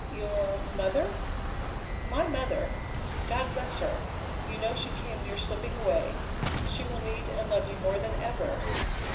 "Your mother?" "My mother! God bless her! You know she came near slipping away. She will need and love you more than ever."